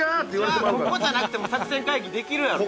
「じゃあここじゃなくても作戦会議できるやろ」